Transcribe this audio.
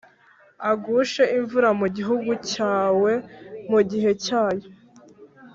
agushe imvura mu gihugu cyawe mu gihe cyayo,+